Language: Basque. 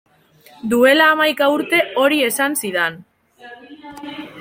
Duela hamaika urte hori esan zidan.